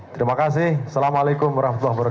terima kasih assalamualaikum wr wb